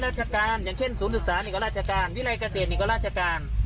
ราชการอย่างเช่นศูนย์ศึกษานิกราชการวิรัยเกษตรนี่ก็ราชการ